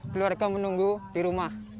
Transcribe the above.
keluarga menunggu di rumah